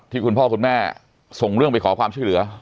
คุณพ่อคุณแม่ส่งเรื่องไปขอความช่วยเหลือ